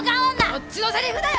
こっちのセリフだよ！